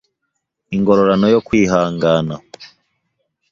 Ingororano yo Kwihangana